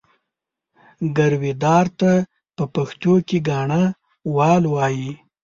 ګرويدار ته په پښتو کې ګاڼهوال وایي.